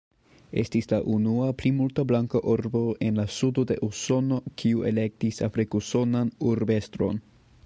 Estis la unua plimulta-blanka urbo en la Sudo de Usono kiu elektis afrik-usonan urbestron.